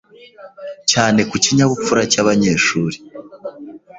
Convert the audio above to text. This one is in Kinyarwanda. cyane ku kinyabupfura cy’abanyeshuri